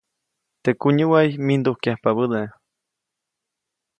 Teʼ kunyäʼway mindujkyajpabäde.